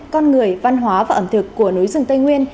con người văn hóa và ẩm thực của núi rừng tây nguyên